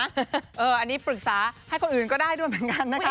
อันนี้ปรึกษาให้คนอื่นก็ได้ด้วยเหมือนกันนะคะ